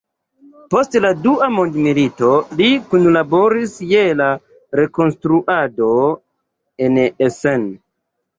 Post la Dua Mondmilito li kunlaboris je la rekonstruado en Essen.